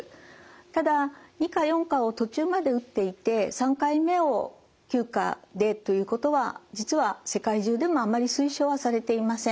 ただ２価・４価を途中まで打っていて３回目を９価でということは実は世界中でもあんまり推奨はされていません。